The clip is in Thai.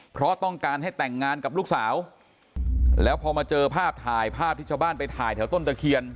เพราะต้องการให้แต่งงานกับลูกสาวแล้วพอมาเจอภาพถ่ายภาพที่ชาวบ้านไปถ่ายแถวต้นตะเคียน